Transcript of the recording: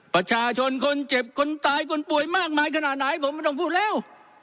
ประชาชนคนเจ็บคนตายคนป่วยมากมายขนาดไหนผมไม่ต้องพูดแล้ว